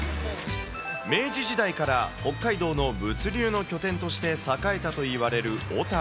明治時代から北海道の物流の拠点として栄えたといわれる小樽。